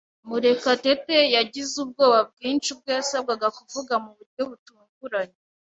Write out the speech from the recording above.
Murekatete yagize ubwoba bwinshi ubwo yasabwaga kuvuga mu buryo butunguranye.